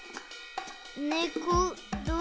ねこどこ？